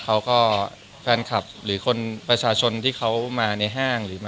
เขาก็แฟนคลับหรือคนประชาชนที่เขามาในห้าง